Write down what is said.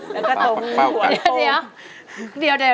แล้วก็ตรงหัวโต